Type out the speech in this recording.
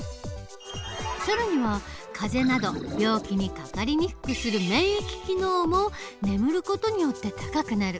更には風邪など病気にかかりにくくする免疫機能も眠る事によって高くなる。